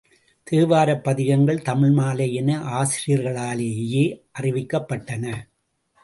தேவாரப் பதிகங்கள் தமிழ்மாலை என ஆசிரியர்களாலேயே அறிவிக்கப்பட்டன.